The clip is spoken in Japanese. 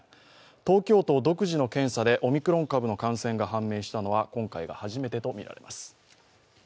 東京都独自の検査でオミクロン株の感染が判明したのは今回が初めてとみられます。